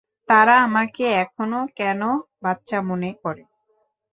তারা আমাকে এখনো কেনো বাচ্চা মনে করে?